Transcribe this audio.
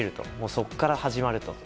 そこから始まると。